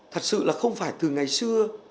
thật sự là không phải từ ngày xưa